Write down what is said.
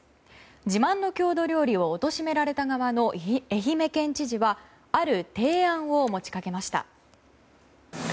自慢の郷土料理を貶められた側の愛媛県知事はある提案を持ちかけました。